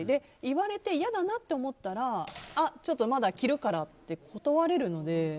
言われてやだなと思ったらちょっとまだ着るからって断れるので。